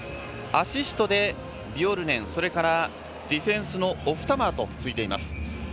アシストで、ビョルニネンそれからディフェンスのオフタマーとついています。